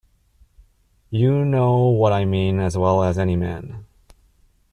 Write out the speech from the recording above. You know what I mean as well as any man.